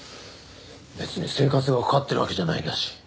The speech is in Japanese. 別に生活がかかってるわけじゃないんだし。